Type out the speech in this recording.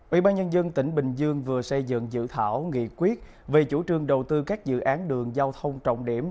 ủy ban nhân dân tỉnh bình dương vừa xây dựng dự thảo nghị quyết về chủ trương đầu tư các dự án đường giao thông trọng điểm